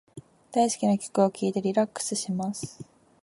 大好きな曲を聞いてリラックスします。